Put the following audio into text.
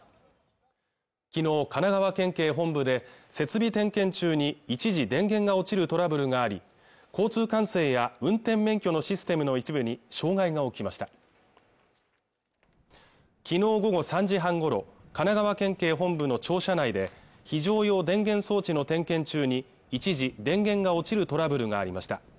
きのう神奈川県警本部で設備点検中に一時電源が落ちるトラブルがあり交通管制や運転免許のシステムの一部に障害が起きました昨日午後３時半ごろ神奈川県警本部の庁舎内で非常用電源装置の点検中に一時電源が落ちるトラブルがありました